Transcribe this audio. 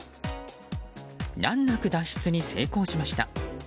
難なく脱出に成功しました。